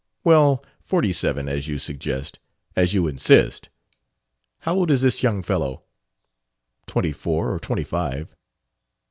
"Well, forty seven, as you suggest, as you insist. How old is this young fellow?" "Twenty four or twenty five."